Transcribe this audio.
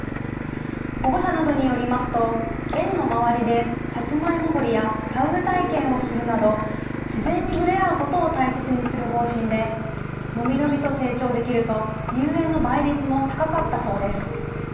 保護者などによりますと園の周りでサツマイモ掘りや田植え体験をするなど自然に触れ合うことを大切にする方針で伸び伸びと成長できると入園の倍率も高かったそうです。